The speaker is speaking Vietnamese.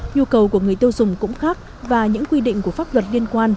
nhu cầu của người tiêu dùng cũng khác và những quy định của pháp luật liên quan